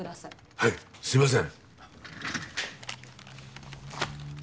はいすいません。